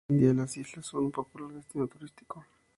Hoy en día las islas son un popular destino turístico.